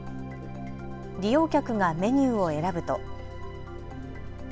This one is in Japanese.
利用客がメニューを選ぶと。